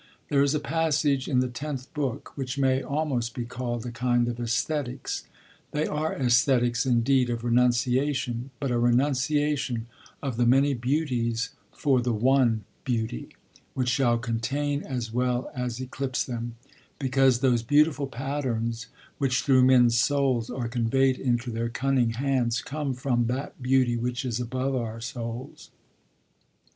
There is a passage in the tenth book which may almost be called a kind of æsthetics. They are æsthetics indeed of renunciation, but a renunciation of the many beauties for the one Beauty, which shall contain as well as eclipse them; 'because those beautiful patterns which through men's souls are conveyed into their cunning hands, come from that Beauty, which is above our souls.'